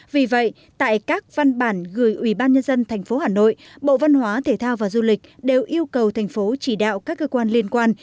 vì vậy tại các văn bản gửi ubnd tp hà nội bộ văn hóa thể thao và du lịch đều yêu cầu thành phố chỉ đạo các cơ quan liên quan